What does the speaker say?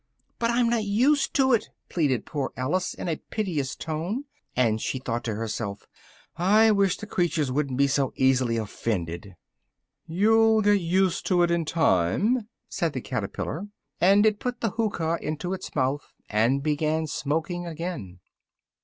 "But I'm not used to it!" pleaded poor Alice in a piteous tone, and she thought to herself "I wish the creatures wouldn't be so easily offended!" "You'll get used to it in time," said the caterpillar, and it put the hookah into its mouth, and began smoking again.